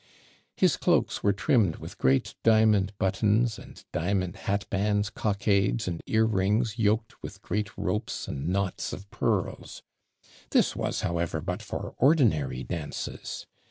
His cloaks were trimmed with great diamond buttons, and diamond hatbands, cockades, and ear rings yoked with great ropes and knots of pearls. This was, however, but for ordinary dances.